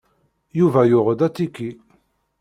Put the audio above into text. Yuba yuɣ-d atiki.